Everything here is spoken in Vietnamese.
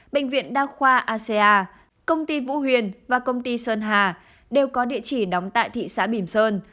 bệnh viện đa khoa asea công ty vũ huyền và công ty sơn hà đều có địa chỉ đóng tại thị xã bìm sơn